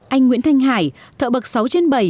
anh nguyễn thanh hải thợ bậc sáu trên bảy